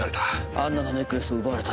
アンナのネックレスを奪われた。